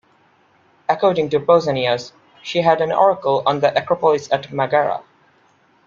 According to Pausanias, she had an oracle on the acropolis at Megara.